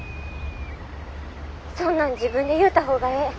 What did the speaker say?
そんなん自分で言うた方がええ。